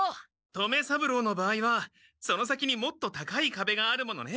留三郎の場合はその先にもっと高いかべがあるものね。